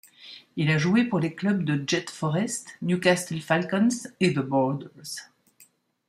Il a joué pour les clubs de Jed-Forest, Newcastle Falcons et The Borders.